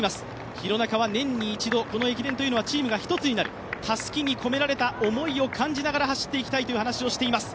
廣中はこの駅伝というのはチームが１つになる、たすきに込められた思いを大事に走っていきたいという話をしています。